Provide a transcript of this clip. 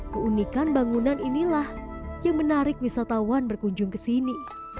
keunikan bangunan inilah yang menarik wisatawan berkunjung ke sini